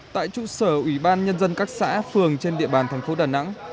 tại trụ sở ủy ban nhân dân các xã phường trên địa bàn thành phố đà nẵng